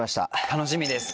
楽しみです。